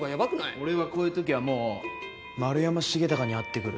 俺はこういう時はもう「丸山重孝に会ってくる」。